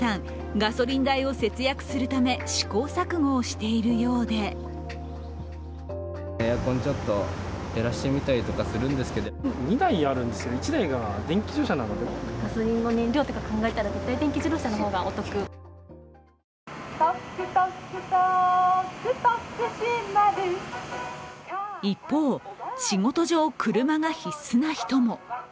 ガソリン代を節約するため試行錯誤をしているようで一方、仕事上車が必須な人も。